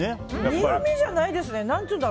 苦みじゃないですね。